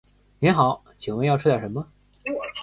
您好，请问要吃点什么？